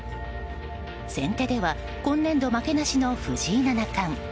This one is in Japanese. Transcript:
先手では今年度負けなしの藤井七冠。